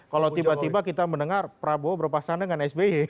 kalau tiba tiba kita mendengar prabowo berpasangan dengan sby